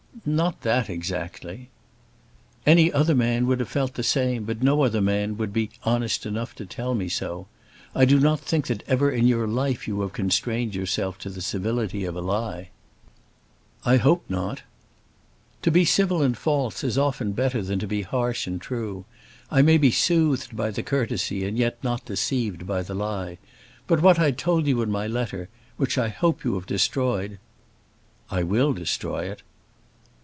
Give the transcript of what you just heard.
"Not that exactly." "Any other man would have felt the same, but no other man would be honest enough to tell me so. I do not think that ever in your life you have constrained yourself to the civility of a lie." "I hope not." "To be civil and false is often better than to be harsh and true. I may be soothed by the courtesy and yet not deceived by the lie. But what I told you in my letter, which I hope you have destroyed " "I will destroy it."